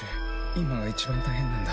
今が一番大変なんだ。